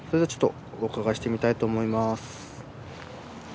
ちょっとお伺いしてみたいと思います。